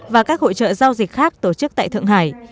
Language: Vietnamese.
và các hội trợ giao dịch khác tổ chức tại thượng hải